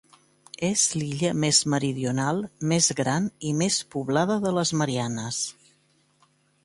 És l'illa més meridional, més gran i més poblada de les Mariannes.